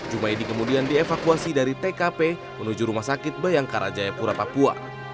jum'aidi kemudian dievakuasi dari tkp menuju rumah sakit bayangkarajaya purapapua